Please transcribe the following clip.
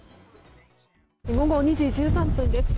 午後２時１３分です。